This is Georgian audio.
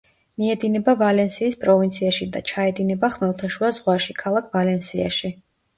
მიედინება ვალენსიის პროვინციაში და ჩაედინება ხმელთაშუა ზღვაში, ქალაქ ვალენსიაში.